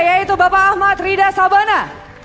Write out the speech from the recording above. yaitu bapak ahmad rida sabana